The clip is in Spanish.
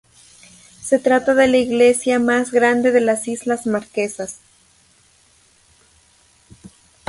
Se trata de la iglesia más grande de las Islas Marquesas.